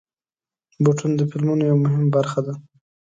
بوټونه د فلمونو یوه مهمه برخه ده.